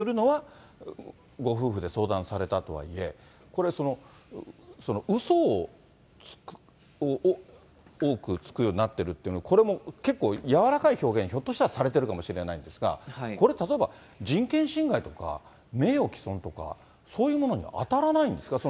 これ、本村さんね、外国特派員協会に来たとはいえ、発表するのは、ご夫婦で相談されたとはいえ、これ、うそを多くつくようになってるって、これも結構、柔らかい表現、ひょっとしたらされてるかもしれませんが、これ例えば、人権侵害とか名誉毀損とか、そういうものには当たらないんですか？